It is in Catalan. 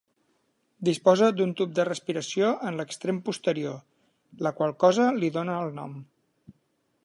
Disposa d'un tub de respiració en l'extrem posterior, la qual cosa li dona el nom.